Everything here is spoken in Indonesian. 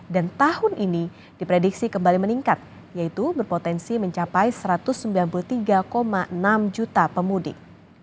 dan tahun ini diprediksi kembali meningkat yaitu berpotensi mencapai satu ratus sembilan puluh tiga enam juta pemudik